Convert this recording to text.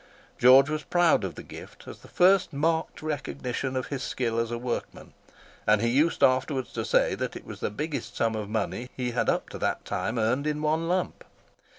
George was proud of the gift as the first marked recognition of his skill as a workman; and he used afterwards to say that it was the biggest sum of money he had up to that time earned in one lump.